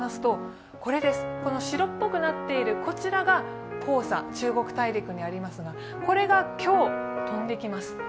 この白っぽくなっているこちらが黄砂、中国大陸にありますが、これが今日、飛んできます。